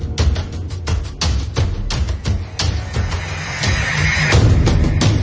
แล้วก็พอเล่ากับเขาก็คอยจับอย่างนี้ครับ